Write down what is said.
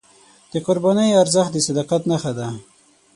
د قربانۍ ارزښت د صداقت نښه ده.